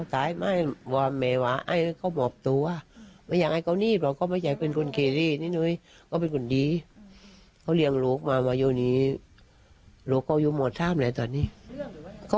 แต่ว่ามันไม่แกล้วมันหวายด้วยนี่หรือไม่หวาย